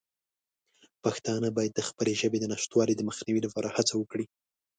پښتانه باید د خپلې ژبې د نشتوالي د مخنیوي لپاره هڅه وکړي.